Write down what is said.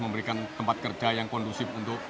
memberikan tempat kerja yang kondusif untuk